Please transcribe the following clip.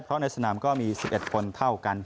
เพราะในสนามก็มี๑๑คนเท่ากัน